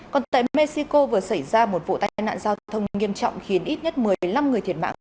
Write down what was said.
còn tại mexico vừa xảy ra một vụ tai nạn giao thông nghiêm trọng khiến ít nhất một mươi năm người thiệt mạng